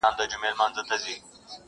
ږغونه ورک دي د ماشومانو٫